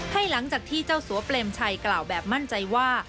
หลังจากที่เจ้าสัวเปรมชัยกล่าวแบบมั่นใจว่า